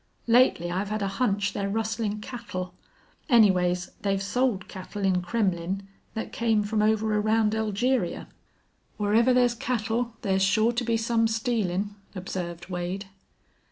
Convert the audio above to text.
Lately I've had a hunch they're rustlin' cattle. Anyways, they've sold cattle in Kremmlin' thet came from over around Elgeria." "Wherever there's cattle there's sure to be some stealin'," observed Wade.